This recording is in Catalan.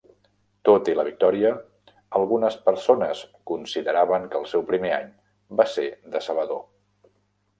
Tot i la victòria, algunes persones consideraven que el seu primer any va ser decebedor.